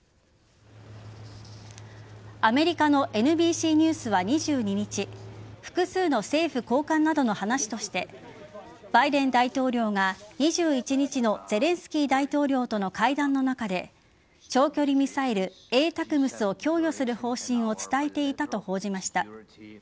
アメリカのＮＢＣニュースは２２日複数の政府高官などの話としてバイデン大統領が２１日のゼレンスキー大統領との会談の中で長距離ミサイルＡＴＡＣＭＳを供与する方針を伝えていたと報じました。